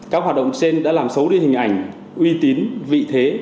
các hoạt động trên đã làm xấu đi hình ảnh uy tín vị thế